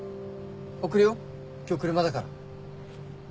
送るよ今日車だから。